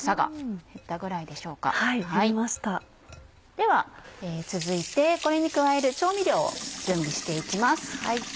では続いてこれに加える調味料を準備して行きます。